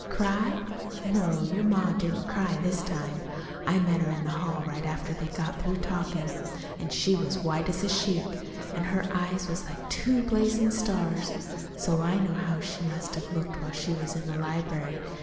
"Cry? No, your ma didn't cry this time. I met her in the hall right after they got through talkin', an' she was white as a sheet, an' her eyes was like two blazin' stars. So I know how she must have looked while she was in the library.